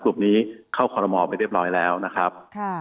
กลุ่มนี้เข้าคอรมอลไปเรียบร้อยแล้วนะครับ